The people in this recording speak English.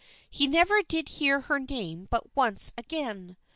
He never did hear her name but once again.